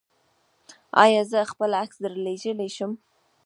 ایا زه خپل عکس درلیږلی شم؟